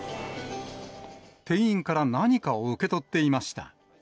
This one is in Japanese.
店員から何かを受け取っていました。